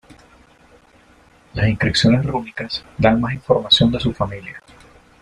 Las inscripciones rúnicas dan más información de su familia.